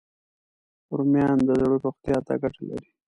رومیان د زړه روغتیا ته ګټه لري